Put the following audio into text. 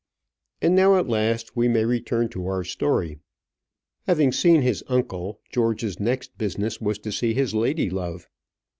And now at last we may return to our story. Having seen his uncle, George's next business was to see his lady love.